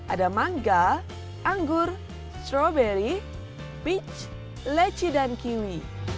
ada mangga anggur strawberry peach leci dan kiwi